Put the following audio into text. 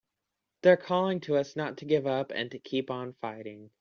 They're calling to us not to give up and to keep on fighting!